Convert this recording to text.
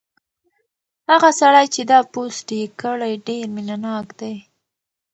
هغه سړی چې دا پوسټ یې کړی ډېر مینه ناک دی.